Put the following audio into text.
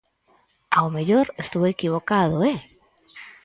Ao mellor estou equivocado, ¡eh!